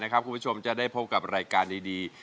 คุณผู้ชมจะได้พบกับรายการดี